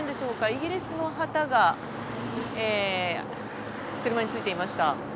イギリスの旗が車についていました。